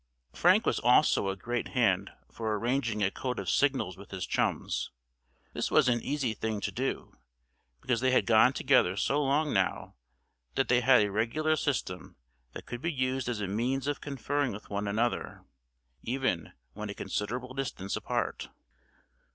Frank was also a great hand for arranging a code of signals with his chums. This was an easy thing to do, because they had gone together so long now that they had a regular system that could be used as a means of conferring with one another, even when a considerable distance apart.